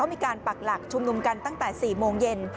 ปักหลักชุมนุมกันตั้งแต่๔โมงเย็น